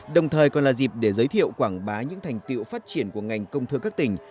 đồng thời còn là dịp để giới thiệu quảng bá những thành tiệu phát triển của ngành công thương các tỉnh